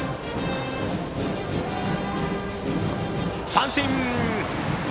三振！